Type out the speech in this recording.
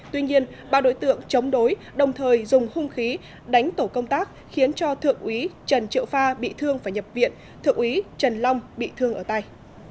tuy nhiên ba đối tượng chống đối đồng thời dùng hung khí đánh tổ công tác khiến cho thượng úy trần triệu pha bị thương phải nhập viện thượng úy trần long bị thương ở tay